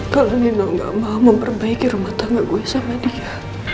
kalau nino gak mau memperbaiki rumah tangga gue sama dia